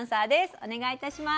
お願いします。